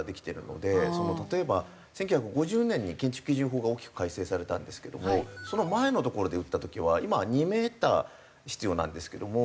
例えば１９５０年に建築基準法が大きく改正されたんですけどもその前のところで売った時は今は２メーター必要なんですけども。